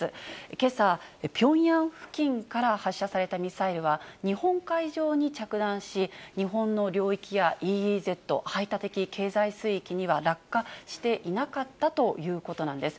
けさ、ピョンヤン付近から発射されたミサイルは、日本海上に着弾し、日本の領域やＥＥＺ・排他的経済水域には落下していなかったということなんです。